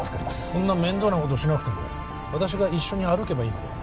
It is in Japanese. そんな面倒なことしなくても私が一緒に歩けばいいのでは？